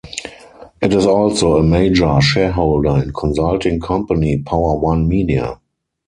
It is also a major shareholder in consulting company PowerOne Media.